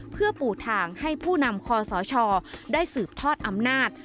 เพื่อปูทางให้ผู้นำคอสชได้สืบทอดอำนาจ